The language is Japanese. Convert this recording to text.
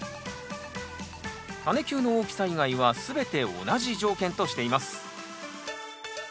タネ球の大きさ以外は全て同じ条件としています